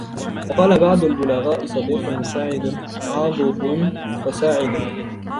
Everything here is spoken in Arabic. وَقَالَ بَعْضُ الْبُلَغَاءِ صَدِيقٌ مُسَاعِدٌ عَضُدٌ وَسَاعِدٌ